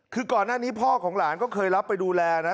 คือก่อนหน้านี้พ่อของหลานก็เคยรับไปดูแลนะ